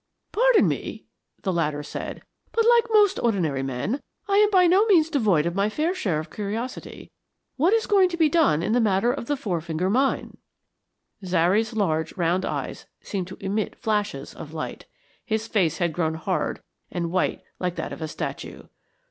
"Pardon me," the latter said, "but like most ordinary men, I am by no means devoid of my fair share of curiosity. What is going to be done in the matter of the Four Finger Mine?" Zary's large round eyes seemed to emit flashes of light. His face had grown hard and white like that of a statue.